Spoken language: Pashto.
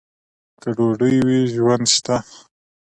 که ډوډۍ وي، ژوند شته.